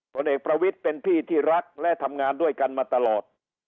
ผลเอกประวิทย์เป็นพี่ที่รักและทำงานด้วยกันมาตลอด